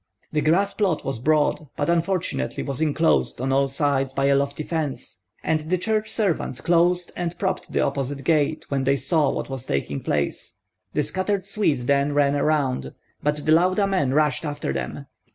The grass plot was broad, but unfortunately was enclosed on all sides by a lofty fence; and the church servants closed and propped the opposite gate when they saw what was taking place. The scattered Swedes then ran around, but the Lauda men rushed after them.